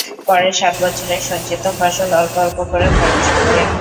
পরের সাত বছরে সঞ্চিত ফসল অল্প অল্প করে খরচ করবে।